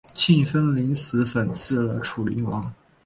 庆封临死讽刺了楚灵王。